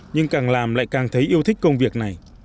nhưng càng làm lại càng thấy yêu thích công việc này